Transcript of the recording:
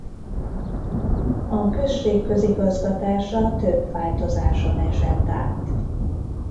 A község közigazgatása több változáson esett át.